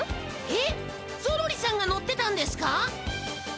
えっゾロリさんが乗ってたんですか？